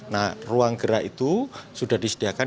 nah ruang gerak itu sudah disediakan